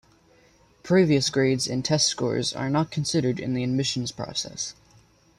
Previous grades and test scores are not considered in the admissions process.